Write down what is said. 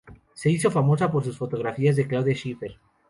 Se hizo famosa por sus fotografías de Claudia Schiffer.